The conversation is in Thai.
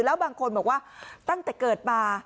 แล้วบางคนบอกว่าตั้งแต่เกิดมา